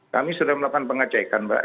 kami sudah melakukan pengecekan mbak